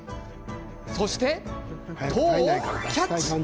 そして、糖をキャッチ。